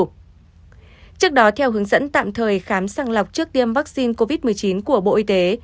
trước đó theo hướng dẫn tạm thời khám sàng lọc trước tiêm vaccine covid một mươi chín của bộ y tế